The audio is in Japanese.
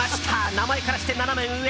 名前からしてナナメ上！